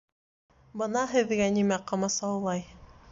Бына һеҙгә нимә ҡамасаулай!